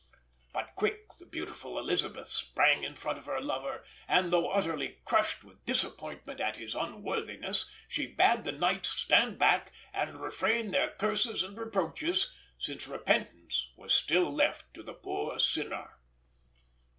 But quick the beautiful Elisabeth sprang in front of her lover; and, though utterly crushed with disappointment at his unworthiness, she bade the knights stand back and refrain their curses and reproaches, since repentance was still left to the poor sinner.